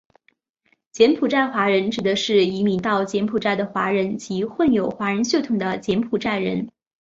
柬埔寨华人指的是移民到柬埔寨的华人及混有华人血统的柬埔寨人。